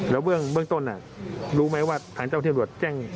แล้วเบื้องต้นรู้ไหมว่าทางเจ้าที่ตำรวจแจ้ง